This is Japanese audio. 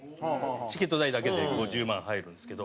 チケット代だけで５０万入るんですけど。